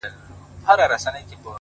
• بدل کړيدی؛